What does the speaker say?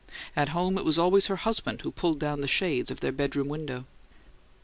At home it was always her husband who pulled down the shades of their bedroom window.